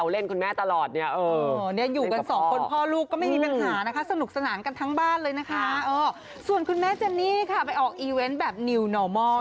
เราอยู่กันสองคนใช่ไหม